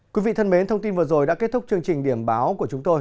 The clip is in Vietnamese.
quý vị thân mến thông tin vừa rồi đã kết thúc chương trình điểm báo của chúng tôi